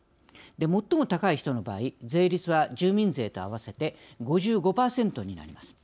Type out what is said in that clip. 最も高い人の場合税率は住民税と合わせて５５％になります。